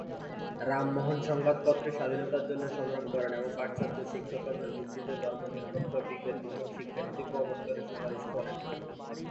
রামমোহন সংবাদপত্রের স্বাধীনতার জন্য সংগ্রাম করেন এবং পাশ্চাত্য শিক্ষাক্রমের ভিত্তিতে ধর্মনিরপেক্ষ ও বিজ্ঞান বিষয়ক শিক্ষা নীতি প্রবর্তনের সুপারিশ করেন।